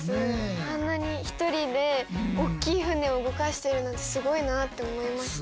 あんなに一人で大きい船を動かしてるなんてすごいなって思いました。